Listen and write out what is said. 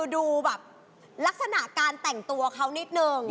ดูแบบลักษณะการแต่งตัวเขานิดนึง